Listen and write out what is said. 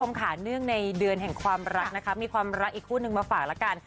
ค่ะเนื่องในเดือนแห่งความรักนะคะมีความรักอีกคู่นึงมาฝากแล้วกัน